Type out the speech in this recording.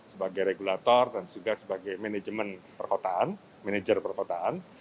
sebagai regulator dan juga sebagai manajemen perkotaan